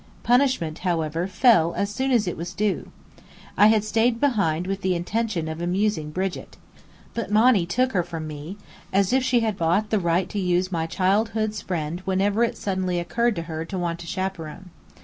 Punishment, however, fell as soon as it was due. I had stayed behind with the intention of amusing Brigit. But Monny took her from me, as if she had bought the right to use my childhood's friend whenever it suddenly occurred to her to want a chaperon.